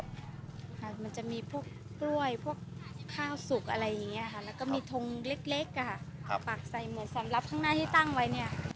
เขาจะมีเชือกให้จับทุกคนเลย